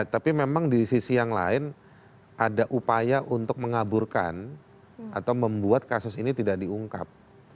tapi memang di sisi yang lain ada upaya untuk mengaburkan atau membuat kasus ini tidak diungkap